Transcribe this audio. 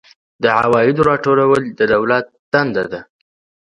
د عوایدو راټولول د دولت دنده ده